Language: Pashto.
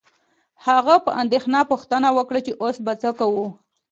هغه په اندیښنه پوښتنه وکړه چې اوس به څه کوو